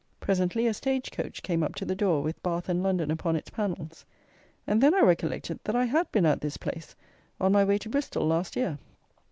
Presently a stage coach came up to the door, with "Bath and London" upon its panels; and then I recollected that I had been at this place on my way to Bristol last year.